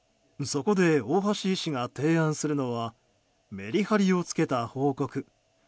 そこで大橋医師が提案するのはメリハリをつけた報告。